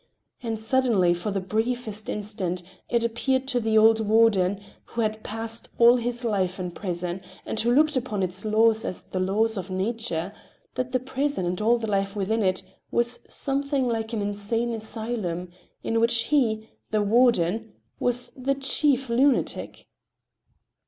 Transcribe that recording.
And suddenly, for the briefest instant, it appeared to the old warden, who had passed all his life in the prison, and who looked upon its laws as the laws of nature, that the prison and all the life within it was something like an insane asylum, in which he, the warden, was the chief lunatic.